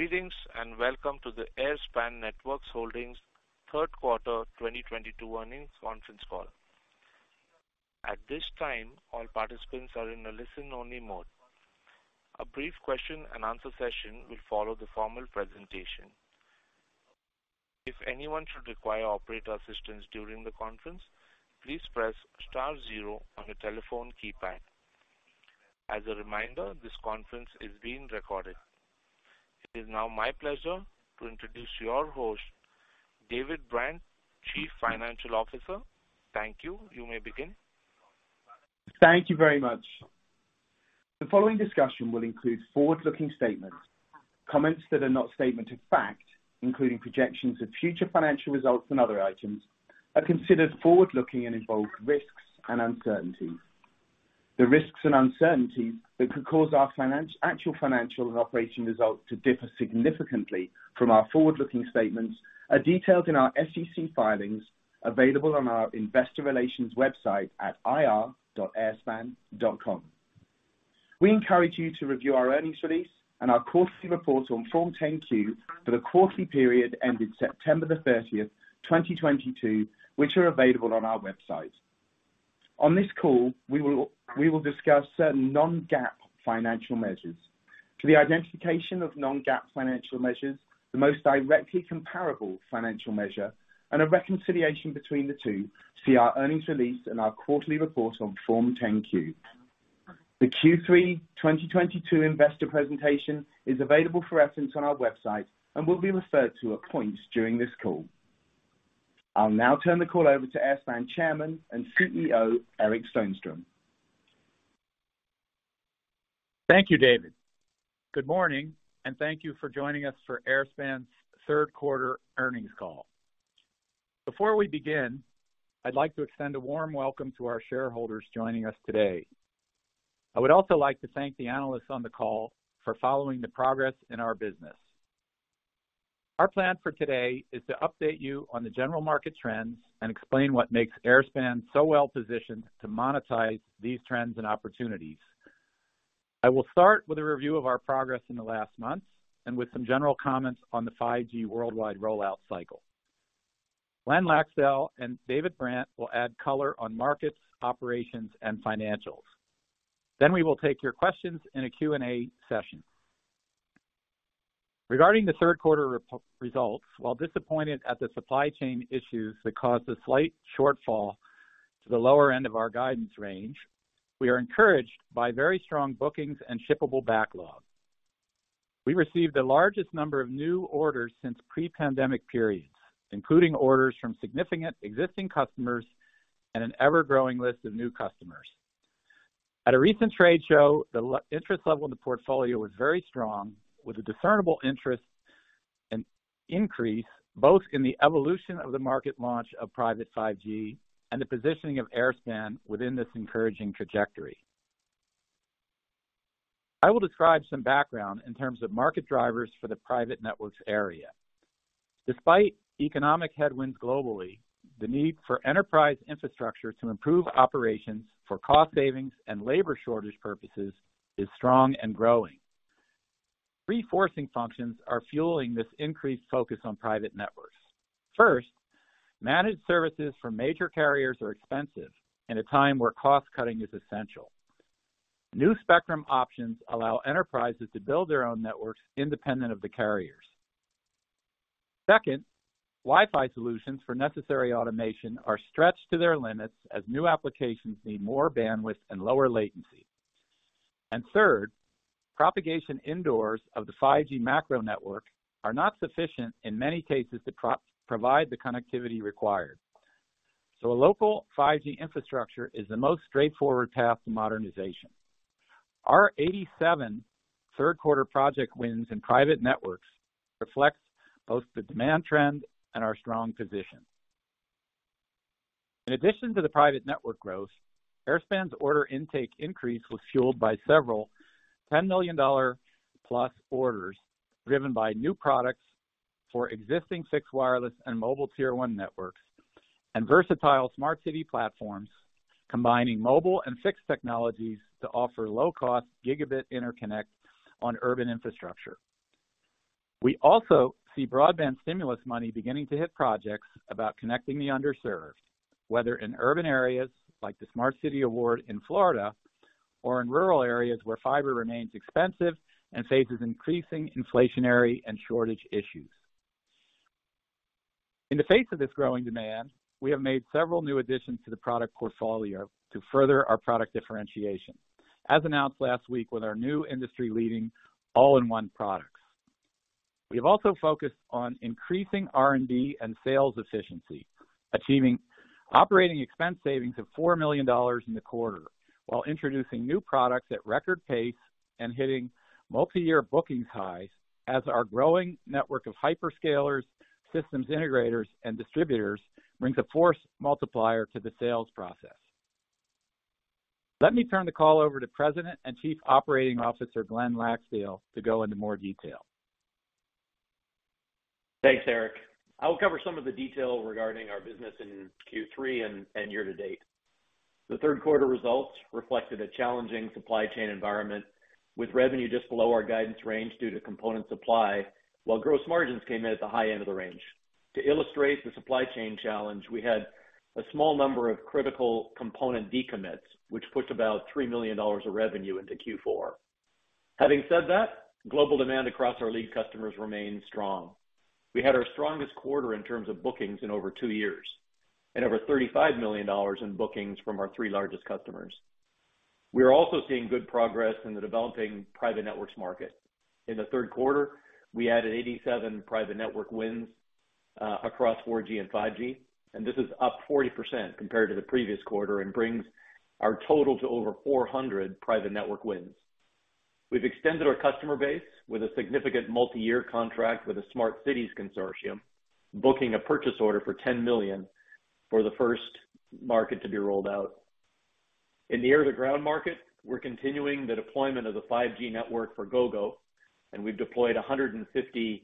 Greetings, and welcome to the Airspan Networks Holdings third quarter 2022 earnings conference call. At this time, all participants are in a listen-only mode. A brief question-and-answer session will follow the formal presentation. If anyone should require operator assistance during the conference, please press star zero on your telephone keypad. As a reminder, this conference is being recorded. It is now my pleasure to introduce your host, David Brant, Chief Financial Officer. Thank you. You may begin. Thank you very much. The following discussion will include forward-looking statements. Comments that are not statement of fact, including projections of future financial results and other items, are considered forward-looking and involve risks and uncertainties. The risks and uncertainties that could cause our actual financial and operating results to differ significantly from our forward-looking statements are detailed in our SEC filings available on our Investor Relations website at ir.airspan.com. We encourage you to review our earnings release and our quarterly report on Form 10-Q for the quarterly period ended September 30th, 2022, which are available on our website. On this call, we will discuss certain non-GAAP financial measures. For the identification of non-GAAP financial measures, the most directly comparable financial measure and a reconciliation between the two, see our earnings release and our quarterly report on Form 10-Q. The Q3-2022 investor presentation is available for reference on our website and will be referred to at points during this call. I'll now turn the call over to Airspan Chairman and CEO, Eric Stonestrom. Thank you, David. Good morning, and thank you for joining us for Airspan's third quarter earnings call. Before we begin, I'd like to extend a warm welcome to our shareholders joining us today. I would also like to thank the analysts on the call for following the progress in our business. Our plan for today is to update you on the general market trends and explain what makes Airspan so well-positioned to monetize these trends and opportunities. I will start with a review of our progress in the last months and with some general comments on the 5G worldwide rollout cycle. Glenn Laxdal and David Brant will add color on markets, operations, and financials. We will take your questions in a Q&A session. Regarding the third quarter results, while disappointed at the supply chain issues that caused a slight shortfall to the lower end of our guidance range, we are encouraged by very strong bookings and shippable backlog. We received the largest number of new orders since pre-pandemic periods, including orders from significant existing customers and an ever-growing list of new customers. At a recent trade show, the interest level in the portfolio was very strong, with a discernible interest and increase both in the evolution of the market launch of Private 5G and the positioning of Airspan within this encouraging trajectory. I will describe some background in terms of market drivers for the Private Networks area. Despite economic headwinds globally, the need for enterprise infrastructure to improve operations for cost savings and labor shortage purposes is strong and growing. Three forcing functions are fueling this increased focus on Private Networks. First, managed services for major carriers are expensive in a time where cost-cutting is essential. New spectrum options allow enterprises to build their own networks independent of the carriers. Second, Wi-Fi solutions for necessary automation are stretched to their limits as new applications need more bandwidth and lower latency. Third, propagation indoors of the 5G macro network are not sufficient in many cases to provide the connectivity required. A local 5G infrastructure is the most straightforward path to modernization. Our 87 third quarter project wins in Private Networks reflects both the demand trend and our strong position. In addition to the Private Networks growth, Airspan's order intake increase was fueled by several $10 million+ orders, driven by new products for existing fixed wireless and mobile tier one networks, and versatile smart city platforms combining mobile and fixed technologies to offer low-cost gigabit interconnect on urban infrastructure. We also see broadband stimulus money beginning to hit projects about connecting the underserved, whether in urban areas like the smart city award in Florida or in rural areas where fiber remains expensive and faces increasing inflationary and shortage issues. In the face of this growing demand, we have made several new additions to the product portfolio to further our product differentiation. As announced last week with our new industry-leading all-in-one products. We have also focused on increasing R&D and sales efficiency, achieving operating expense savings of $4 million in the quarter while introducing new products at record pace and hitting multi-year bookings highs as our growing network of hyperscalers, systems integrators, and distributors brings a force multiplier to the sales process. Let me turn the call over to President and Chief Operating Officer, Glenn Laxdal, to go into more detail. Thanks, Eric. I will cover some of the detail regarding our business in Q3 and year-to-date. The third quarter results reflected a challenging supply chain environment with revenue just below our guidance range due to component supply, while gross margins came in at the high end of the range. To illustrate the supply chain challenge, we had a small number of critical component decommits, which pushed about $3 million of revenue into Q4. Having said that, global demand across our lead customers remains strong. We had our strongest quarter in terms of bookings in over two years, and over $35 million in bookings from our three largest customers. We are also seeing good progress in the developing private networks market. In the third quarter, we added 87 private network wins across 4G and 5G, and this is up 40% compared to the previous quarter and brings our total to over 400 private network wins. We've extended our customer base with a significant multi-year contract with a smart cities consortium, booking a purchase order for $10 million for the first market to be rolled out. In the air-to-ground market, we're continuing the deployment of the 5G network for Gogo, and we've deployed 150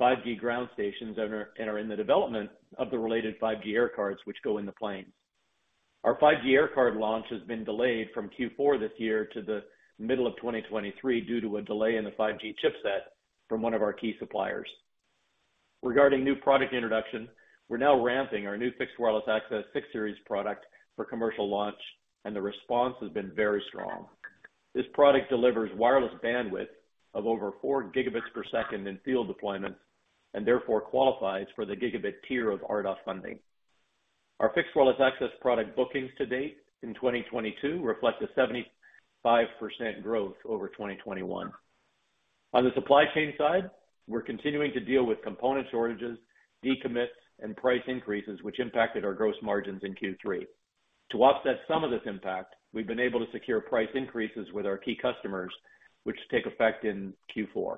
5G ground stations and are in the development of the related 5G air cards which go in the plane. Our 5G air card launch has been delayed from Q4 this year to the middle of 2023 due to a delay in the 5G chipset from one of our key suppliers. Regarding new product introduction, we're now ramping our new Fixed Wireless Access 6-series product for commercial launch, and the response has been very strong. This product delivers wireless bandwidth of over 4 Gbps in field deployment, and therefore qualifies for the gigabit tier of RDOF funding. Our Fixed Wireless Access product bookings to date in 2022 reflect a 75% growth over 2021. On the supply chain side, we're continuing to deal with component shortages, decommits, and price increases, which impacted our gross margins in Q3. To offset some of this impact, we've been able to secure price increases with our key customers, which take effect in Q4.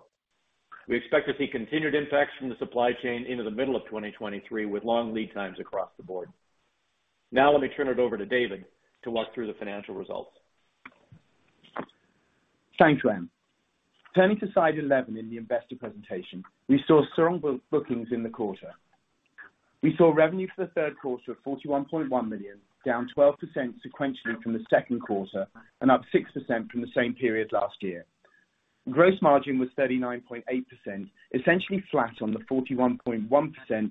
We expect to see continued impacts from the supply chain into the middle of 2023 with long lead times across the board. Now let me turn it over to David to walk through the financial results. Thanks, Glenn. Turning to slide 11 in the investor presentation. We saw strong bookings in the quarter. We saw revenue for the third quarter of $41.1 million, down 12% sequentially from the second quarter and up 6% from the same period last year. Gross margin was 39.8%, essentially flat from the 40.1%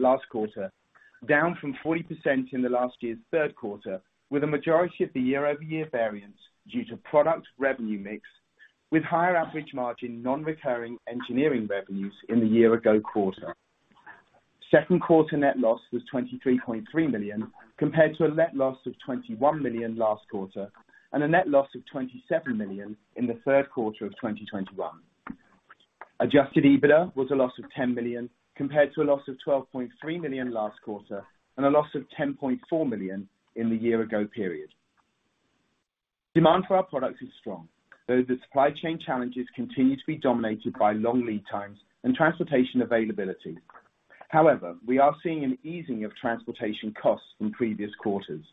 last quarter, down from 40% in last year's third quarter, with a majority of the YoY variance due to product revenue mix with higher average margin non-recurring engineering revenues in the year-ago quarter. Third quarter net loss was $23.3 million, compared to a net loss of $21 million last quarter and a net loss of $27 million in the third quarter of 2021. Adjusted EBITDA was a loss of $10 million, compared to a loss of $12.3 million last quarter and a loss of $10.4 million in the year-ago period. Demand for our products is strong, though the supply chain challenges continue to be dominated by long lead times and transportation availability. However, we are seeing an easing of transportation costs from previous quarters.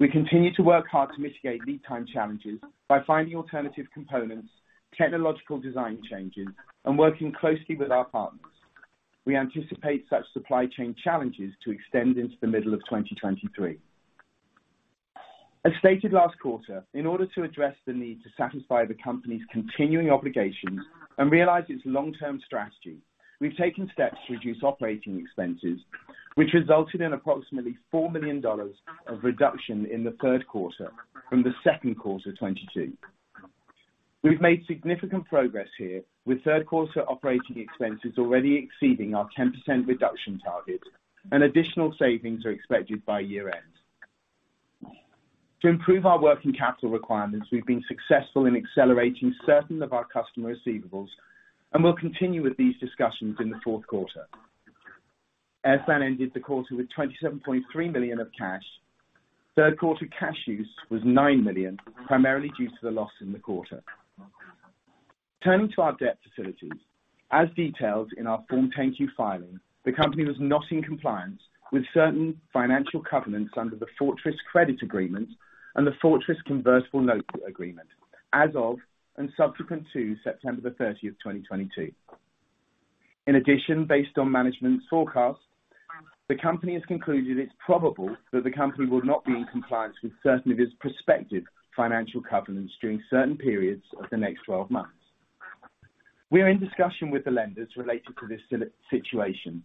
We continue to work hard to mitigate lead time challenges by finding alternative components, technological design changes, and working closely with our partners. We anticipate such supply chain challenges to extend into the middle of 2023. As stated last quarter, in order to address the need to satisfy the company's continuing obligations and realize its long-term strategy, we've taken steps to reduce operating expenses, which resulted in approximately $4 million of reduction in the third quarter from the second quarter 2022. We've made significant progress here with third quarter operating expenses already exceeding our 10% reduction target, and additional savings are expected by year-end. To improve our working capital requirements, we've been successful in accelerating certain of our customer receivables, and we'll continue with these discussions in the fourth quarter. Airspan ended the quarter with $27.3 million of cash. Third quarter cash use was $9 million, primarily due to the loss in the quarter. Turning to our debt facilities. As detailed in our Form 10-Q filing, the company was not in compliance with certain financial covenants under the Fortress Credit Agreement and the Fortress Convertible Note Agreement as of and subsequent to September 30th, 2022. In addition, based on management's forecast, the company has concluded it's probable that the company will not be in compliance with certain of its prospective financial covenants during certain periods of the next 12 months. We are in discussion with the lenders related to this situation.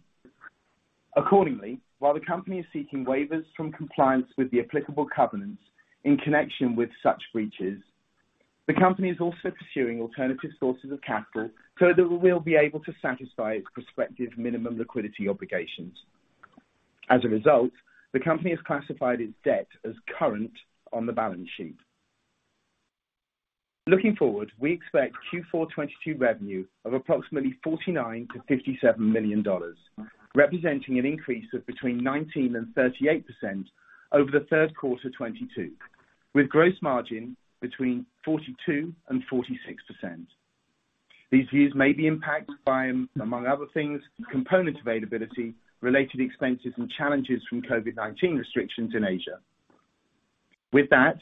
Accordingly, while the company is seeking waivers from compliance with the applicable covenants in connection with such breaches, the company is also pursuing alternative sources of capital so that we'll be able to satisfy its prospective minimum liquidity obligations. As a result, the company has classified its debt as current on the balance sheet. Looking forward, we expect Q4 2022 revenue of approximately $49 million-$57 million, representing an increase of between 19% and 38% over the third quarter 2022, with gross margin between 42% and 46%. These views may be impacted by, among other things, component availability, related expenses and challenges from COVID-19 restrictions in Asia. With that,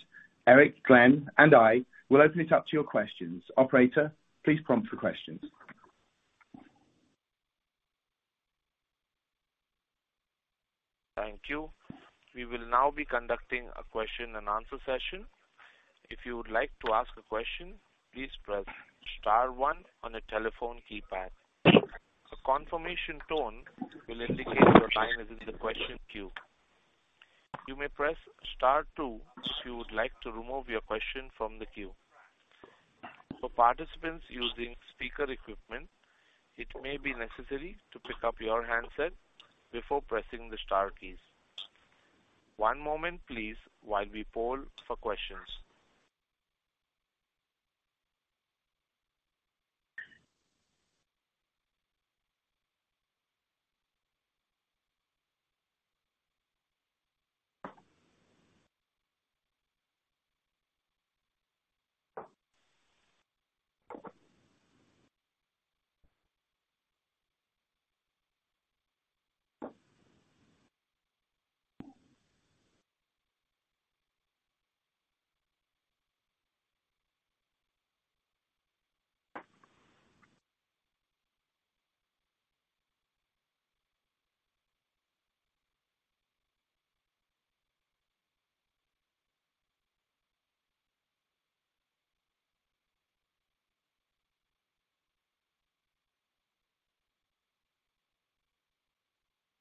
Eric, Glenn and I will open it up to your questions. Operator, please prompt for questions. Thank you. We will now be conducting a question-and-answer session. If you would like to ask a question, please press star one on your telephone keypad. A confirmation tone will indicate your line is in the question queue. You may press star two if you would like to remove your question from the queue. For participants using speaker equipment, it may be necessary to pick up your handset before pressing the star keys. One moment please while we poll for questions.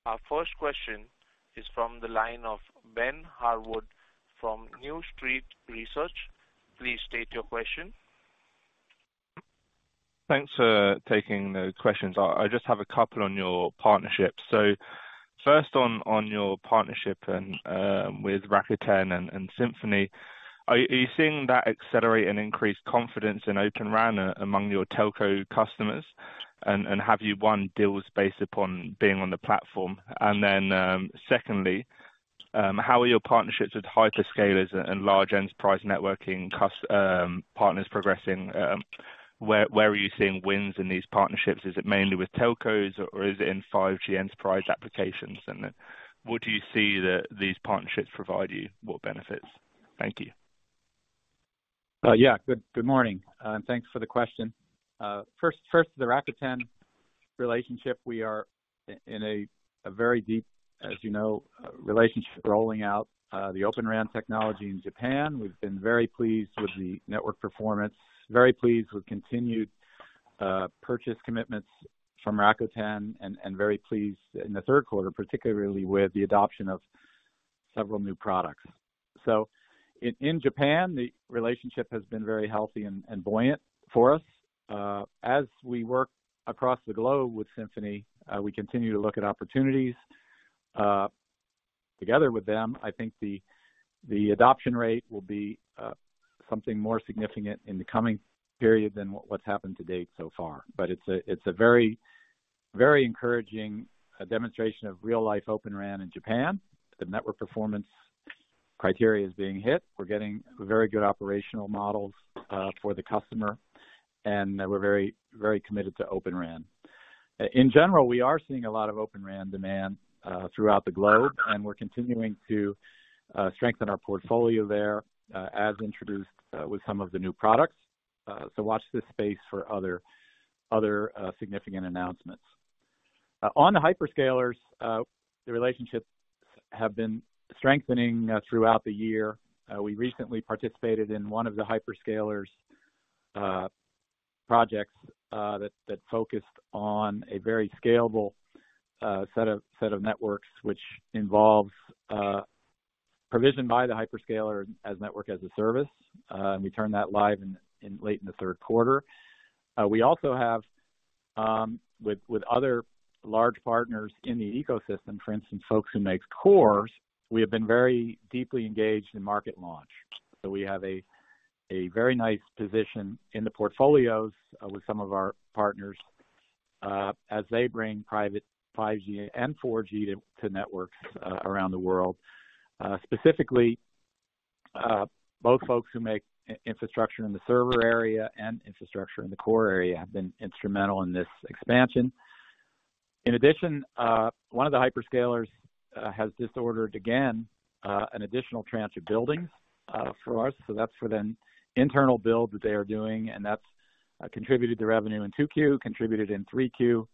Our first question is from the line of Ben Harwood from New Street Research. Please state your question. Thanks for taking the questions. I just have a couple on your partnerships. First on your partnership with Rakuten and Symphony. Are you seeing that accelerate and increase confidence in Open RAN among your telco customers? And have you won deals based upon being on the platform? Then secondly, how are your partnerships with hyperscalers and large enterprise networking customers, partners progressing? Where are you seeing wins in these partnerships? Is it mainly with telcos or is it in 5G enterprise applications? Then what do you see that these partnerships provide you? What benefits? Thank you. Yeah. Good morning, and thanks for the question. First, the Rakuten relationship. We are in a very deep, as you know, relationship rolling out the Open RAN technology in Japan. We've been very pleased with the network performance, very pleased with continued purchase commitments from Rakuten, and very pleased in the third quarter, particularly with the adoption of several new products. In Japan, the relationship has been very healthy and buoyant for us. As we work across the globe with Symphony, we continue to look at opportunities together with them. I think the adoption rate will be something more significant in the coming period than what's happened to date so far. It's a very encouraging demonstration of real-life Open RAN in Japan. The network performance criteria is being hit. We're getting very good operational models for the customer, and we're very committed to Open RAN. In general, we are seeing a lot of Open RAN demand throughout the globe, and we're continuing to strengthen our portfolio there, as introduced with some of the new products. Watch this space for other significant announcements. On the hyperscalers, the relationships have been strengthening throughout the year. We recently participated in one of the hyperscalers' projects that focused on a very scalable set of networks, which involves provision by the hyperscaler as Network as a Service. We turned that live in late in the third quarter. We also have with other large partners in the ecosystem, for instance, folks who make cores, we have been very deeply engaged in market launch. We have a very nice position in the portfolios with some of our partners as they bring Private 5G and 4G to networks around the world. Specifically, both folks who make infrastructure in the server area and infrastructure in the core area have been instrumental in this expansion. In addition, one of the hyperscalers has just ordered again an additional transit building for us. That's for the internal build that they are doing, and that's contributed to revenue in Q2, contributed in Q3.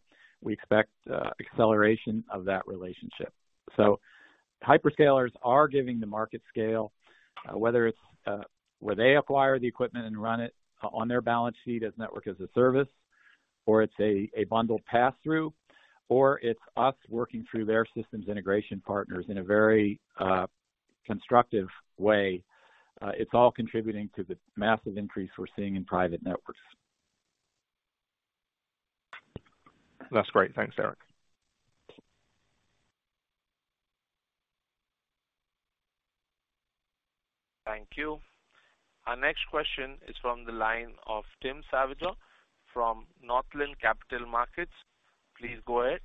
We expect acceleration of that relationship. Hyperscalers are giving the market scale, whether it's where they acquire the equipment and run it on their balance sheet as Network as a Service, or it's a bundled pass-through, or it's us working through their systems integration partners in a very constructive way. It's all contributing to the massive increase we're seeing in Private Networks. That's great. Thanks, Eric. Thank you. Our next question is from the line of Tim Savageaux from Northland Capital Markets. Please go ahead.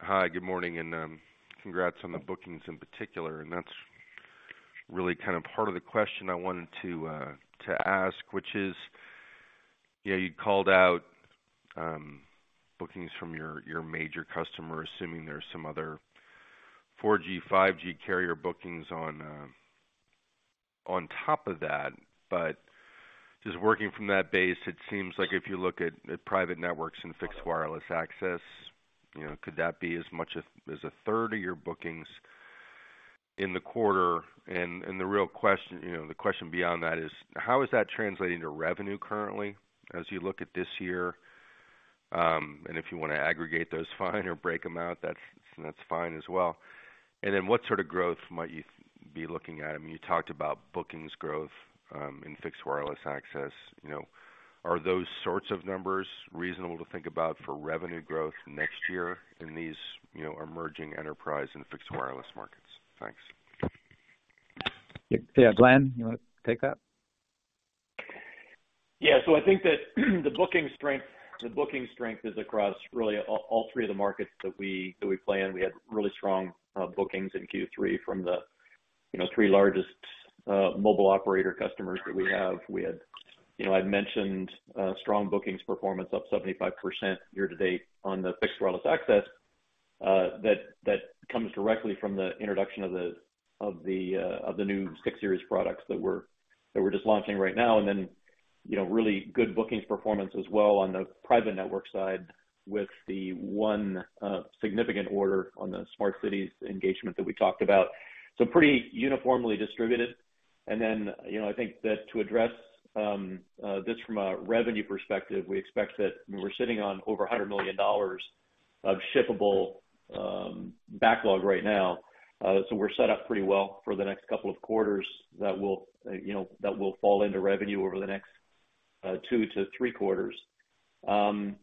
Hi, good morning and congrats on the bookings in particular, and that's really kind of part of the question I wanted to ask, which is Yeah, you called out bookings from your major customers, assuming there's some other 4G, 5G carrier bookings on top of that. But just working from that base, it seems like if you look at Private Networks and Fixed Wireless Access, you know, could that be as much as a third of your bookings in the quarter? And the real question, you know, the question beyond that is, how is that translating to revenue currently as you look at this year? And if you wanna aggregate those, fine, or break them out, that's fine as well. And then what sort of growth might you be looking at? I mean, you talked about bookings growth in Fixed Wireless Access, you know. Are those sorts of numbers reasonable to think about for revenue growth next year in these, you know, emerging enterprise and fixed wireless markets? Thanks. Yeah, Glenn, you wanna take that? I think that the booking strength is across really all three of the markets that we play in. We had really strong bookings in Q3 from the, you know, three largest mobile operator customers that we have. We had. You know, I'd mentioned strong bookings performance up 75% year to date on the Fixed Wireless Access, that comes directly from the introduction of the new 6-series products that we're just launching right now. Then, you know, really good bookings performance as well on the private network side with the one significant order on the smart cities engagement that we talked about. Pretty uniformly distributed. I think that to address this from a revenue perspective, we expect that we're sitting on over $100 million of shippable backlog right now. So we're set up pretty well for the next couple of quarters that will, you know, that will fall into revenue over the next two-three quarters. When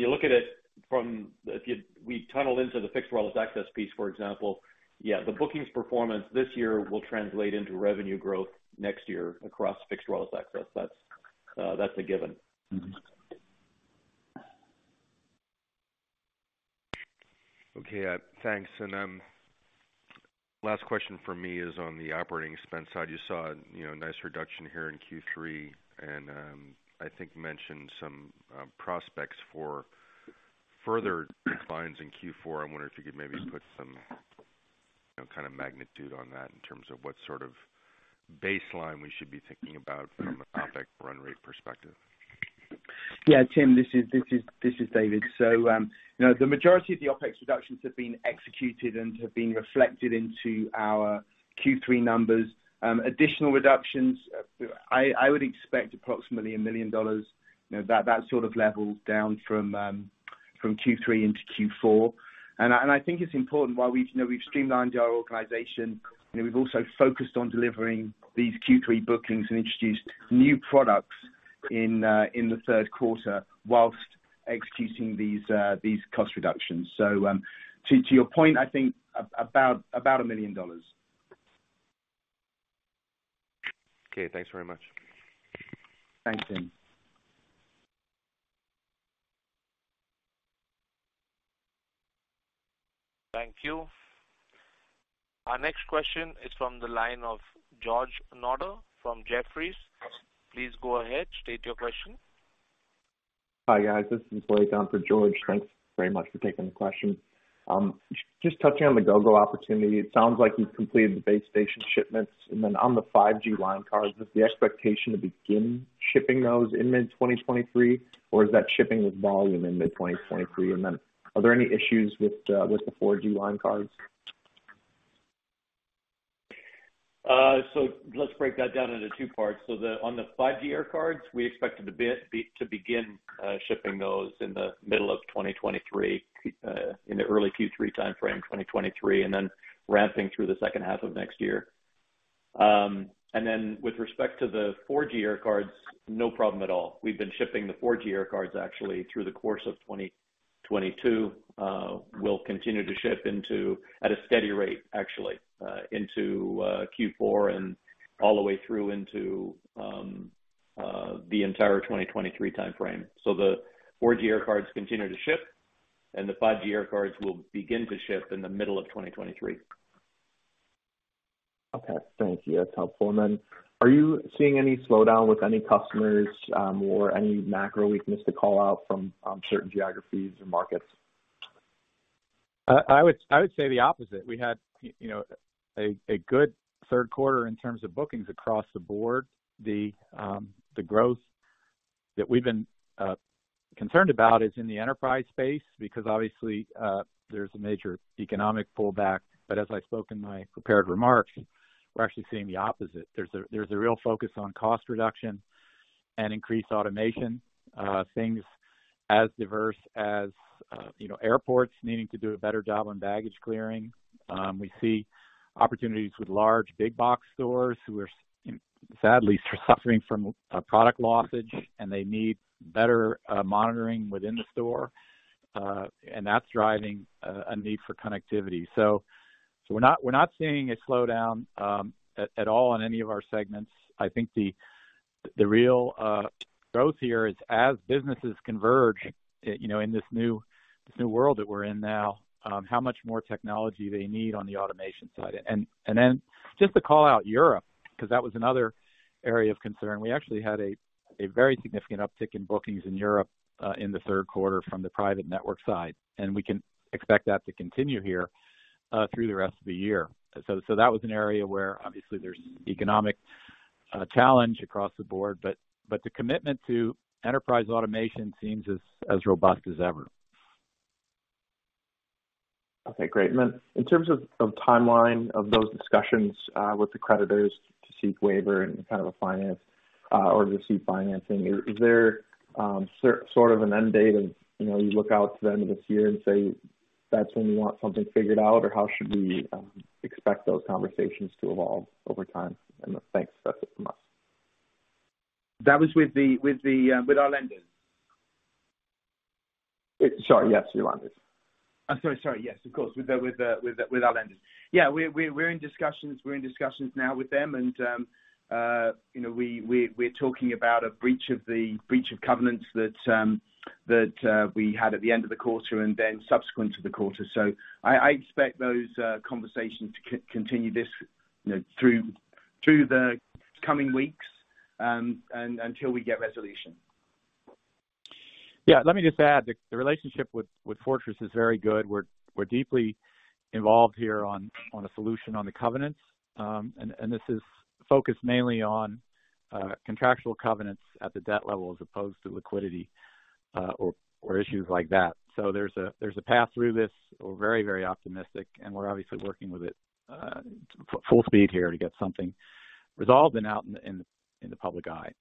you look at it from the if you we tunnel into the Fixed Wireless Access piece, for example, yeah, the bookings performance this year will translate into revenue growth next year across Fixed Wireless Access. That's a given. Thanks. Last question from me is on the operating expense side. You saw, you know, nice reduction here in Q3, and I think you mentioned some prospects for further declines in Q4. I wonder if you could maybe put some, you know, kind of magnitude on that in terms of what sort of baseline we should be thinking about from an OpEx run rate perspective. Yeah. Tim, this is David. You know, the majority of the OpEx reductions have been executed and have been reflected into our Q3 numbers. Additional reductions, I would expect approximately $1 million, you know, that sort of level down from Q3 into Q4. I think it's important while we've streamlined our organization, you know, we've also focused on delivering these Q3 bookings and introduced new products in the third quarter whilst executing these cost reductions. To your point, I think about $1 million. Okay. Thanks very much. Thanks, Tim. Thank you. Our next question is from the line of George Notter from Jefferies. Please go ahead, state your question. Hi, guys. This is Blake on for George. Thanks very much for taking the question. Just touching on the Gogo opportunity, it sounds like you've completed the base station shipments. On the 5G line cards, is the expectation to begin shipping those in mid-2023, or is that shipping with volume in mid-2023? Are there any issues with the 4G line cards? Let's break that down into two parts. On the 5G air cards, we expect to begin shipping those in the middle of 2023, in the early Q3 timeframe, 2023, and then ramping through the second half of next year. With respect to the 4G air cards, no problem at all. We've been shipping the 4G air cards actually through the course of 2022. We'll continue to ship at a steady rate, actually, into Q4 and all the way through into the entire 2023 timeframe. The 4G air cards continue to ship and the 5G air cards will begin to ship in the middle of 2023. Okay. Thank you. That's helpful. Are you seeing any slowdown with any customers, or any macro weakness to call out from, certain geographies or markets? I would say the opposite. We had you know a good third quarter in terms of bookings across the board. The growth that we've been concerned about is in the enterprise space because obviously there's a major economic pullback. As I spoke in my prepared remarks, we're actually seeing the opposite. There's a real focus on cost reduction and increased automation. Things as diverse as you know airports needing to do a better job on baggage clearing. We see opportunities with large big box stores who are sadly suffering from product lossage, and they need better monitoring within the store, and that's driving a need for connectivity. We're not seeing a slowdown at all on any of our segments. I think the real growth here is as businesses converge, you know, in this new world that we're in now, how much more technology they need on the automation side. Then just to call out Europe, 'cause that was another area of concern. We actually had a very significant uptick in bookings in Europe in the third quarter from the private network side. We can expect that to continue here through the rest of the year. That was an area where obviously there's economic challenge across the board, but the commitment to enterprise automation seems as robust as ever. Okay, great. In terms of timeline of those discussions with the creditors to seek waiver or to seek financing, is there sort of an end date and, you know, you look out to the end of this year and say, that's when you want something figured out? Or how should we expect those conversations to evolve over time? Thanks. That's it from us. That was with our lenders. Sorry, yes, you're on this. I'm sorry. Sorry. Yes, of course, with our lenders. Yeah, we're in discussions now with them and, you know, we're talking about a breach of covenants that we had at the end of the quarter and then subsequent to the quarter. I expect those conversations to continue this, you know, through the coming weeks and until we get resolution. Yeah. Let me just add. The relationship with Fortress is very good. We're deeply involved here on a solution on the covenants. This is focused mainly on contractual covenants at the debt level as opposed to liquidity or issues like that. There's a path through this. We're very optimistic, and we're obviously working with it full speed here to get something resolved and out in the public eye.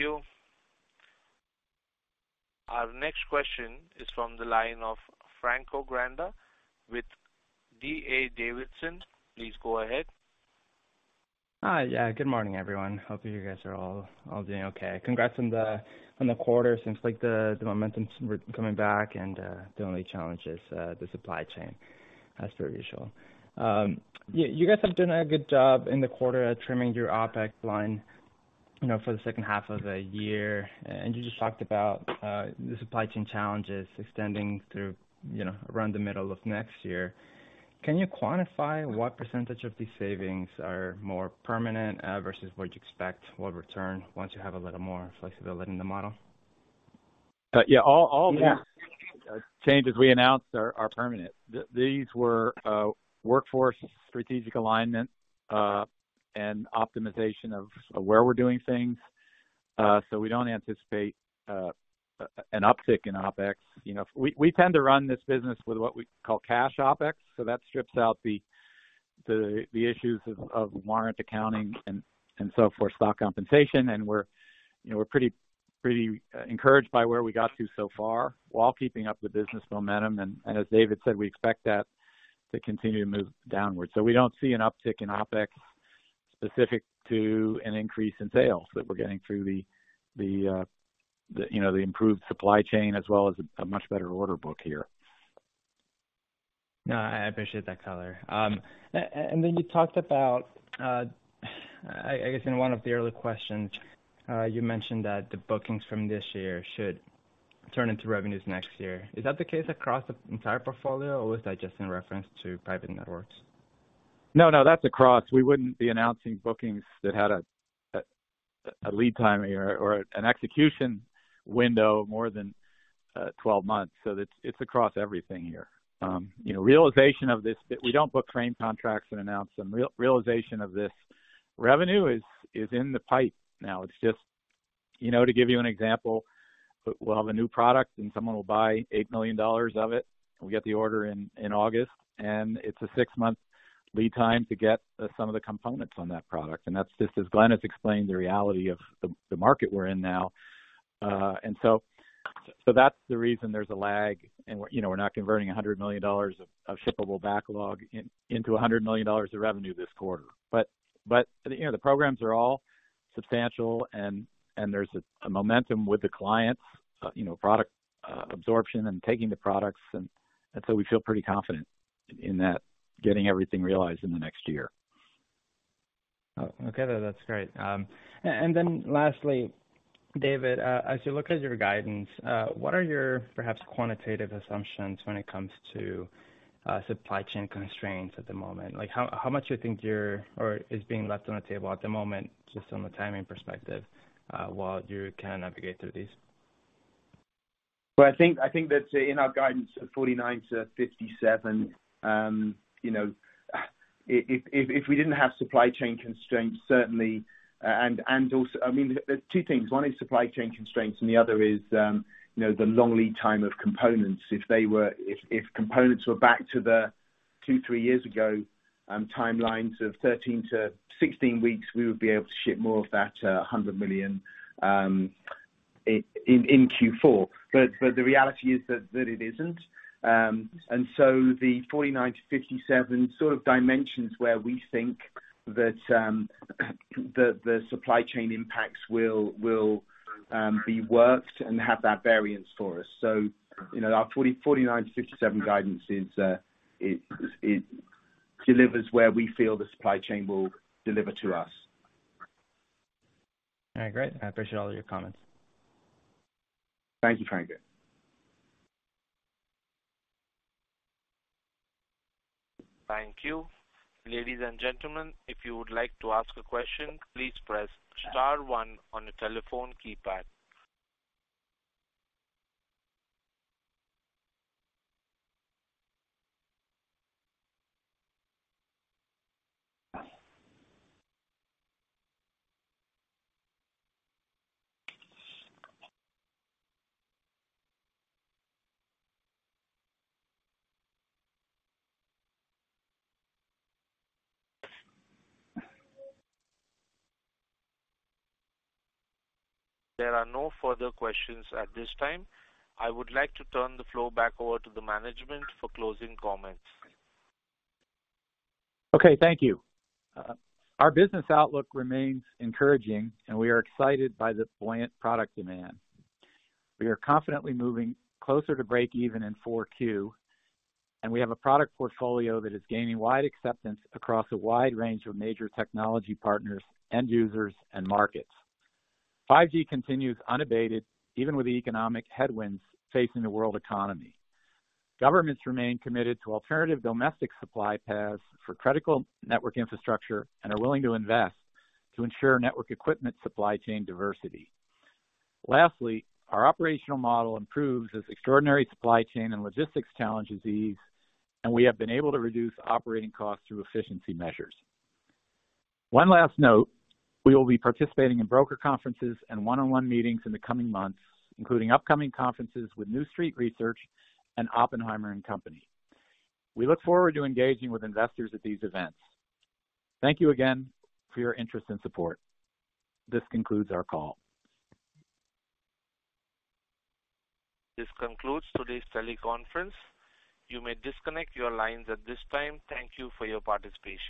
Thank you. Our next question is from the line of Franco Granda with D.A. Davidson. Please go ahead. Hi. Yeah, good morning, everyone. Hope you guys are all doing okay. Congrats on the quarter. Seems like the momentum's coming back and the only challenge is the supply chain as per usual. You guys have done a good job in the quarter at trimming your OpEx line, you know, for the second half of the year. And you just talked about the supply chain challenges extending through, you know, around the middle of next year. Can you quantify what percentage of these savings are more permanent versus what you expect will return once you have a little more flexibility in the model? Yeah. All the- Yeah. The changes we announced are permanent. These were workforce strategic alignment and optimization of where we're doing things. We don't anticipate an uptick in OpEx. You know, we tend to run this business with what we call cash OpEx, so that strips out the issues of warrant accounting and so for stock compensation. You know, we're pretty encouraged by where we got to so far while keeping up the business momentum. As David said, we expect that to continue to move downwards. We don't see an uptick in OpEx specific to an increase in sales that we're getting through the improved supply chain as well as a much better order book here. No, I appreciate that color. You talked about, I guess in one of the early questions, you mentioned that the bookings from this year should turn into revenues next year. Is that the case across the entire portfolio, or was that just in reference to Private Networks? No, no, that's across. We wouldn't be announcing bookings that had a lead time or an execution window more than 12 months. It's across everything here. You know, realization of this, we don't book frame contracts and announce them. Realization of this revenue is in the pipeline now. It's just. You know, to give you an example, we'll have a new product and someone will buy $8 million of it. We'll get the order in August, and it's a six-month lead time to get some of the components on that product. That's just, as Glenn has explained, the reality of the market we're in now. That's the reason there's a lag and we're, you know, not converting $100 million of shippable backlog into $100 million of revenue this quarter. You know, the programs are all substantial and there's a momentum with the clients, you know, product absorption and taking the products and so we feel pretty confident in that, getting everything realized in the next year. Oh, okay. That's great. And then lastly, David, as you look at your guidance, what are your perhaps quantitative assumptions when it comes to supply chain constraints at the moment? Like, how much do you think you're or is being left on the table at the moment, just from a timing perspective, while you can navigate through this? Well, I think that in our guidance of $49 million-$57 million, you know, if we didn't have supply chain constraints, certainly, and also. I mean, two things. One is supply chain constraints and the other is, you know, the long lead time of components. If components were back to the two-three years ago timelines of 13-16 weeks, we would be able to ship more of that $100 million in Q4. The reality is that it isn't. The $49 million-$57 million sort of dimensions where we think. The supply chain impacts will be worked and have that variance for us. You know, our 49-57 guidance is it delivers where we feel the supply chain will deliver to us. All right, great. I appreciate all of your comments. Thank you, Franco. Thank you. Ladies and gentlemen, if you would like to ask a question, please press star one on your telephone keypad. There are no further questions at this time. I would like to turn the floor back over to the management for closing comments. Okay. Thank you. Our business outlook remains encouraging, and we are excited by this buoyant product demand. We are confidently moving closer to break even in Q4, and we have a product portfolio that is gaining wide acceptance across a wide range of major technology partners, end users and markets. 5G continues unabated, even with the economic headwinds facing the world economy. Governments remain committed to alternative domestic supply paths for critical network infrastructure and are willing to invest to ensure network equipment supply chain diversity. Lastly, our operational model improves as extraordinary supply chain and logistics challenges ease, and we have been able to reduce operating costs through efficiency measures. One last note. We will be participating in broker conferences and one-on-one meetings in the coming months, including upcoming conferences with New Street Research and Oppenheimer & Company. We look forward to engaging with investors at these events. Thank you again for your interest and support. This concludes our call. This concludes today's teleconference. You may disconnect your lines at this time. Thank you for your participation.